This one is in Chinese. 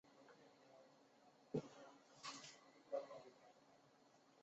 东汉永初元年犍为郡移治武阳县。